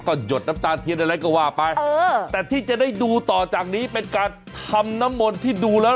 ก็หยดน้ำตาเทียนอะไรก็ว่าไปเออแต่ที่จะได้ดูต่อจากนี้เป็นการทำน้ำมนต์ที่ดูแล้ว